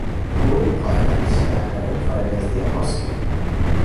A wooden plaque on the stack identified it as the "Ahoskie".